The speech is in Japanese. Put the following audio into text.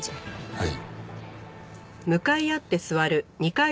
はい。